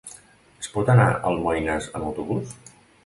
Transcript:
Es pot anar a Almoines amb autobús?